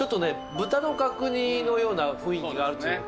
豚の角煮のような雰囲気があるというか。